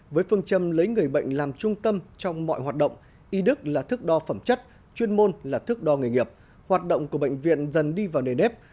với phương châm lấy người bệnh làm trung tâm trong mọi hoạt động y đức là thước đo phẩm chất chuyên môn là thước đo nghề nghiệp hoạt động của bệnh viện dần đi vào nề nếp